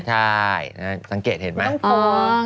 ใช่สังเกตเห็นไหม